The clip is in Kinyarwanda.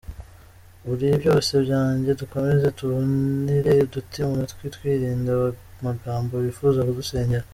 Uri byose byanjye, dukomeze tuvunire uduti mu matwi twirinda ab’amagambo bifuza kudusenyera.